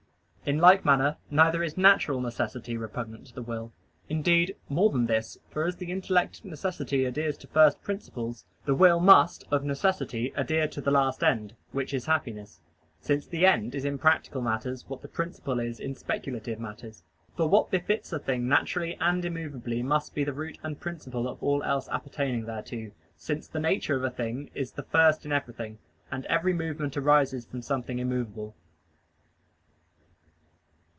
In like manner neither is natural necessity repugnant to the will. Indeed, more than this, for as the intellect of necessity adheres to the first principles, the will must of necessity adhere to the last end, which is happiness: since the end is in practical matters what the principle is in speculative matters. For what befits a thing naturally and immovably must be the root and principle of all else appertaining thereto, since the nature of a thing is the first in everything, and every movement arises from something immovable.